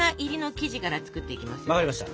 分かりました。